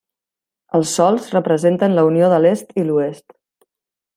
Els sols representen la unió de l'Est i l'Oest.